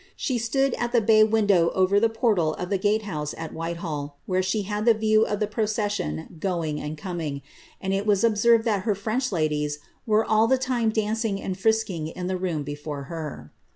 She stood at the bay window over the portal in the gate house at Whitehall,' where she had a view of the procession going and coming, and it was observed that her French ladies were all the time dancing and frisking in the room before her.